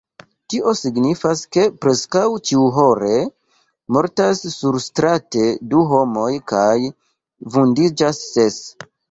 Tio signifas, ke preskaŭ ĉiuhore mortas surstrate du homoj kaj vundiĝas ses.